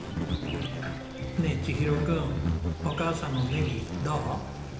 ねえ千尋くんお母さんのネギどう？